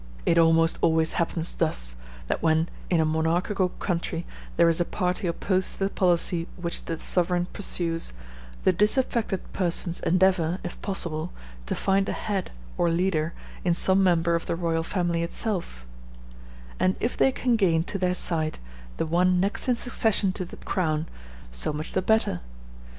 It almost always happens thus, that when, in a monarchical country, there is a party opposed to the policy which the sovereign pursues, the disaffected persons endeavor, if possible, to find a head, or leader, in some member of the royal family itself, and if they can gain to their side the one next in succession to the crown, so much the better.